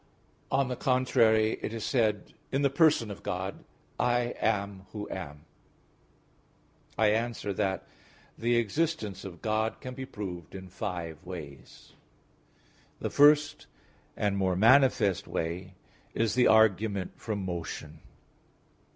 On the contrary, It is said in the person of God: "I am Who am." (Ex. 3:14) I answer that, The existence of God can be proved in five ways. The first and more manifest way is the argument from motion.